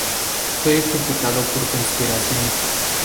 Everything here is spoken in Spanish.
Fue ejecutado por conspiración.